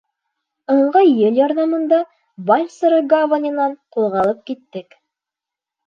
Ыңғай ел ярҙамында Бальсора гаваненән ҡуҙғалып киттек.